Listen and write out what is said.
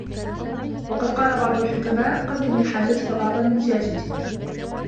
وَقَدْ قَالَ بَعْضُ الْحُكَمَاءِ قَدِّمْ لِحَاجَتِك بَعْضَ لَجَاجَتِك